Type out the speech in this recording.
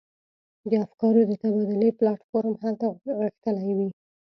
د افکارو د تبادلې پلاټ فورم هلته غښتلی وي.